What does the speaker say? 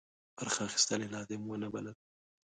برخه اخیستل یې لازم ونه بلل.